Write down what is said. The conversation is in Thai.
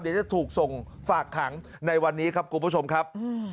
เดี๋ยวจะถูกส่งฝากขังในวันนี้ครับคุณผู้ชมครับ